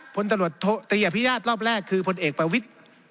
พนตรวจโธ่ตรีอาพญาตรรอบแรกคือพนแห่งปวิศ๒๕